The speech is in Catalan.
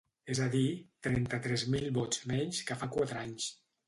És a dir, trenta-tres mil vots menys que fa quatre anys.